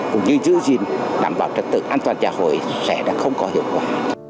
cũng như giữ gìn đảm bảo trật tự an toàn giả hội sẽ không có hiệu quả